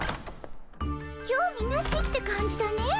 興味なしって感じだね。